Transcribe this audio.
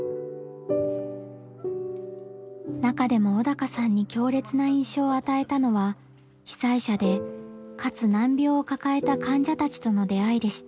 中でも小鷹さんに強烈な印象を与えたのは被災者でかつ難病を抱えた患者たちとの出会いでした。